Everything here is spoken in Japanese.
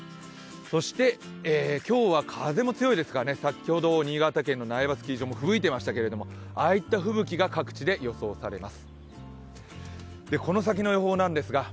そして今日は風も強いですから、新潟県の苗場スキー場もふぶいていましたけれども、ああいった吹雪が各地で予想されます。